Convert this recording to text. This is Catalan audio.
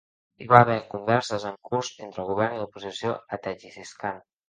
Hi va haver converses en curs entre el govern i l'oposició a Tadjikistan.